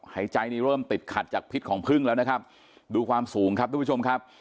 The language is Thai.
หายใจนี่เริ่มติดขัดจากพิษของพึ่งแล้วนะครับดูความสูงครับทุกผู้ชมครับ